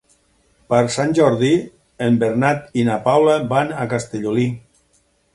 Per Sant Jordi en Bernat i na Paula van a Castellolí.